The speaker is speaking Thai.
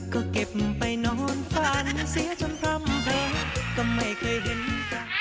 ก็เก็บไปนอนฝันเสียจนพร่ำเพ้อก็ไม่เคยเห็นกัน